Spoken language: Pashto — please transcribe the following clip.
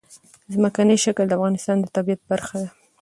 ځمکنی شکل د افغانستان د طبیعت برخه ده.